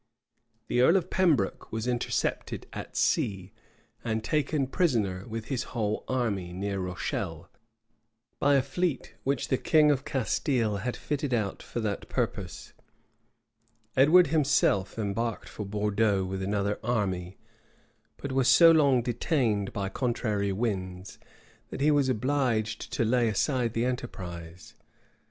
The earl of Pembroke was intercepted at sea, and taken prisoner with his whole army, near Rochelle, by a fleet which the king of Castile had fitted out for that purpose:[*] Edward himself embarked for Bordeaux with another army; but was so long detained by contrary winds, that he was obliged to lay aside the enterprise.